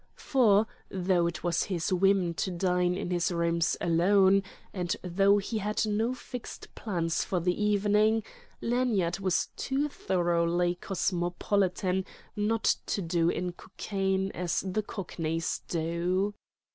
For, though it was his whim to dine in his rooms alone, and though he had no fixed plans for the evening, Lanyard was too thoroughly cosmopolitan not to do in Cockaigne as the Cockneys do.